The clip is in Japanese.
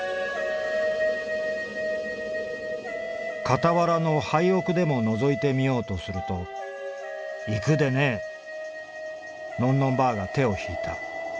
「かたわらの廃屋でものぞいてみようとすると『行くでねえ』のんのんばあが手を引いた。